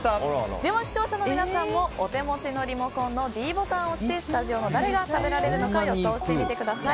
では視聴者の皆さんもお手持ちのリモコンのｄボタンを押してスタジオの誰が食べられるのか予想してみてください。